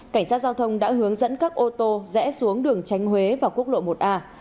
cảnh sát giao thông đã hướng dẫn các ô tô rẽ xuống đường tránh huế và quốc lộ một a